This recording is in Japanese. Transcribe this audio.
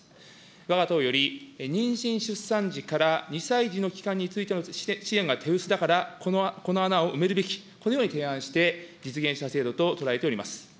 わが党より、妊娠・出産時から２歳児の期間に対して支援が手薄だから、この穴を埋めるべき、このように提案して、実現した制度と捉えております。